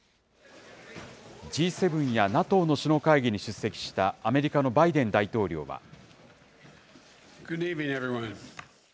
Ｇ７やＮＡＴＯの首脳会議に出席したアメリカのバイデン大統領は。